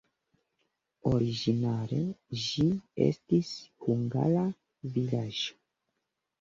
Originale ĝi estis hungara vilaĝo.